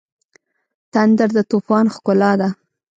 تندر د طوفان ښکلا ده.